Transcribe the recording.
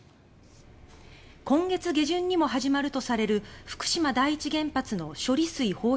今月下旬にも始まるとされる福島第一原発の処理水放出を巡り